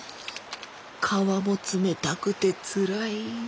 川も冷たくてつらい。